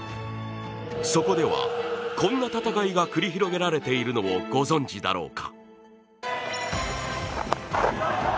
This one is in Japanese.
そこでは、こんな戦いが繰り広げられていることをご存じだろうか？